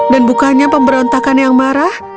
bukannya pemberontakan yang marah